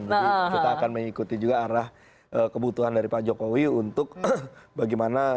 jadi kita akan mengikuti juga arah kebutuhan dari pak jokowi untuk bagaimana format koalisi yang dibutuhkan dalam pemberantasan politik